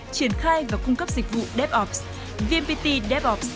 triển khai và cung cấp dịch vụ devops vmpt devops